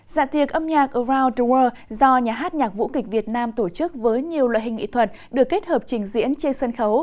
dạng thiệt âm nhạc around the world do nhà hát nhạc vũ kịch việt nam tổ chức với nhiều loại hình nghị thuật được kết hợp trình diễn trên sân khấu